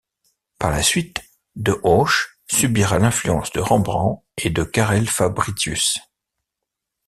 Par la suite, De Hooch subira l’influence de Rembrandt et de Carel Fabritius.